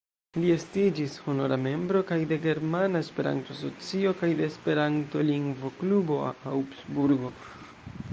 Li estiĝis honora membro kaj de Germana Esperanto-Asocio kaj de Esperanto-Lingvoklubo Aŭgsburgo.